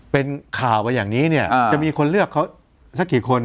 เป็นข่าวแบบนี้จะมีคนเลือกเขาสักกี่คน